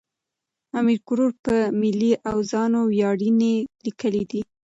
امیر کروړ په ملي اوزانو ویاړنې لیکلې دي.